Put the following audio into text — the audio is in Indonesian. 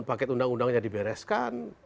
paket undang undangnya dibereskan